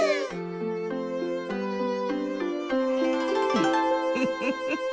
フフフフフ。